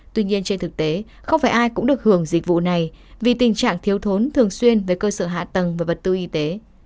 tuy nhiên trên thực tế không phải ai cũng được hưởng dịch vụ này vì tình trạng thiếu thốn thường xuyên với cơ sở hạ tầng và vật tư y tế